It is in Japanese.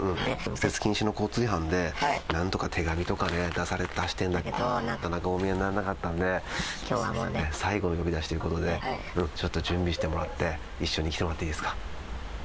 右折禁止の交通違反で何度か手紙とかで出してるんだけど、なかなかお見えにならなかったので、きょうはもう最後の呼び出しということで、ちょっと準備してもらって、一緒に来てもらっていいですか。